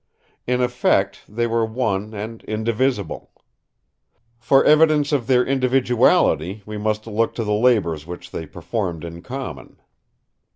In effect they were one and indivisible. For evidence of their individuality we must look to the labors which they performed in common.